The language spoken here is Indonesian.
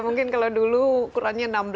mungkin kalau dulu ukurannya enam belas